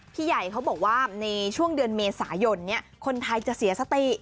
พี่ใหญ่เขาบอกว่าในช่วงเดือนเมษายนคนไทยจะเสียสติ